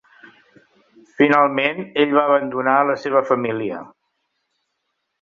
Finalment ell va abandonar a la seva família.